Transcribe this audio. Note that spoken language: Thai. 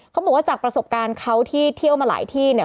เขาบอกว่าจากประสบการณ์เขาที่เที่ยวมาหลายที่